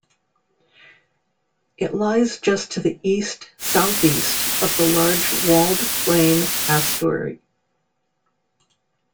It lies just to the east-southeast of the large walled plain Pasteur.